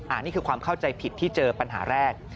อันนี้คือความเข้าใจผิดที่เจอปัญหาแรก